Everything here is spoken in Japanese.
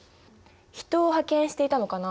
人を派遣していたのかな？